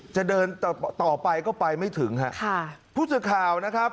จะเดินต่อไปก็ไปไม่ถึงค่ะผู้จัดข่าวนะครับ